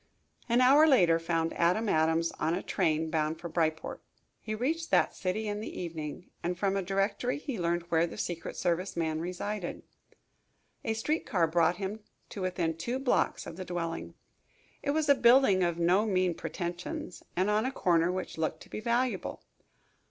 An hour later found Adam Adams on a train bound for Bryport. He reached that city in the evening, and from a directory he learned where the secret service man resided. A street car brought him to within two blocks of the dwelling. It was a building of no mean pretentions and on a corner which looked to be valuable.